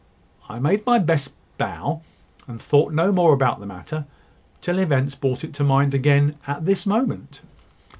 "I made my best bow, and thought no more about the matter, till events brought it to mind again at this moment.